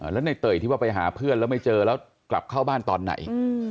แล้วในเตยที่ว่าไปหาเพื่อนแล้วไม่เจอแล้วกลับเข้าบ้านตอนไหน